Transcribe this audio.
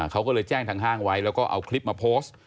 เขาก็เลยแจ้งทางห้างไว้แล้วก็เอาคลิปมาโพสต์